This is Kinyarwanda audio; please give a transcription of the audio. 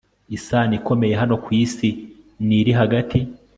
Isano ikomeye hano ku isi ni iri hagati